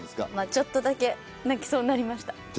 ちょっとだけ泣きそうになりました。